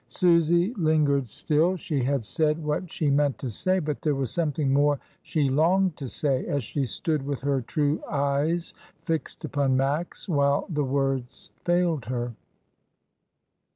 Susy lingered still. She had said what she meant to say; but there was something more she longed to say, as she stood with her true eyes fixed upon Max, while the words failed her.